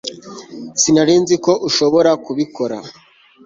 sinari nzi ko ushobora kubikora